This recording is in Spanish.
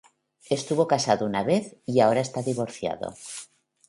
Estuvo casado una vez, y ahora está divorciado.